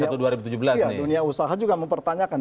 dunia usaha juga mempertanyakan